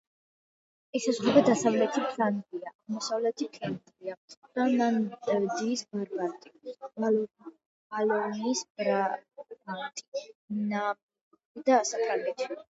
ესაზღვრება დასავლეთი ფლანდრია, აღმოსავლეთი ფლანდრია, ფლამანდიის ბრაბანტი, ვალონიის ბრაბანტი, ნამიური და საფრანგეთი.